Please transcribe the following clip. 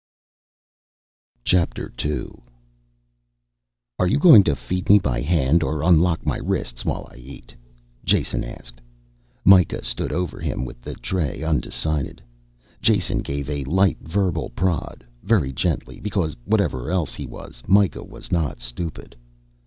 II "Are you going to feed me by hand or unlock my wrists while I eat?" Jason asked. Mikah stood over him with the tray, undecided. Jason gave a light verbal prod, very gently, because whatever else he was, Mikah was not stupid.